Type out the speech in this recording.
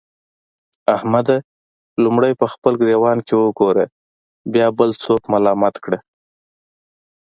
احمده! لومړی په خپل ګرېوان کې وګوره؛ بيا بل څوک ملامت کړه.